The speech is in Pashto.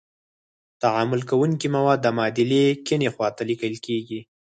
تعامل کوونکي مواد د معادلې کیڼې خواته لیکل کیږي.